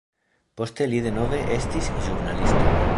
Poste li denove estis ĵurnalisto.